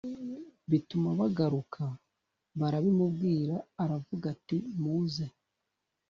bituma bagaruka barabimubwira aravuga ati muze